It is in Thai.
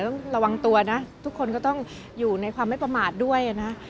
ต้องระวังตัวนะทุกคนก็ต้องอยู่ในความไม่ประมาทด้วยนะ